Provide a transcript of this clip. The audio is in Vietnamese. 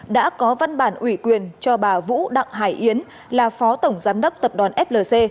đã có văn bản ủy quyền cho bà vũ đặng hải yến là phó tổng giám đốc tập đoàn flc